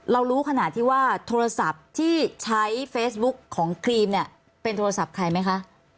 รู้ขนาดที่ว่าโทรศัพท์ที่ใช้เฟซบุ๊กของครีมเนี่ยเป็นโทรศัพท์ใครไหมคะ